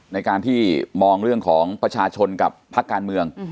ในการที่มองเรื่องของประชาชนกับพักการเมือง